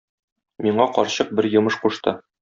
Миңа карчык бер йомыш кушты.